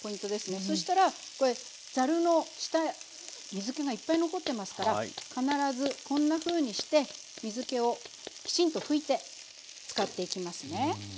そしたらこれざるの下水けがいっぱい残ってますから必ずこんなふうにして水けをきちんと拭いて使っていきますね。